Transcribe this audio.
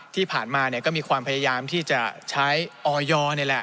ที่ผ่านมาก็มีความพยายามที่จะใช้ออยนี่แหละ